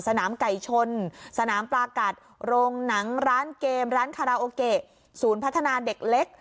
สนามไก่ชนสนามปลากัดโรงหนังร้านเกมร้านคาราโอเกะศูนย์พัฒนาเด็กเล็ก